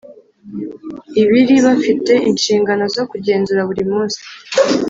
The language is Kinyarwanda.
ibiri bafite inshingano zo kugenzura buri munsi